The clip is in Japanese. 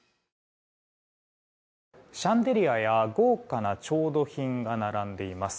シャンデリアや豪華な調度品が並んでいます。